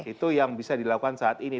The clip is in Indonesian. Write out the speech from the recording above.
itu yang bisa dilakukan saat ini